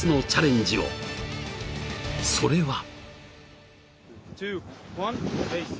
［それは］